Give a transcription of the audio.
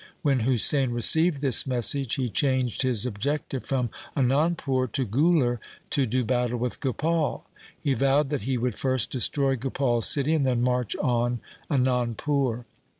When Husain received this message, he changed his objective from Anandpur to Guler to do battle with Gopal. He vowed that he would first destroy Gopal' s city and then march on Anandpur.